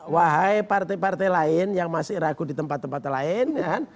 wahai partai partai lain yang masih ragu di tempat tempat lain ya kan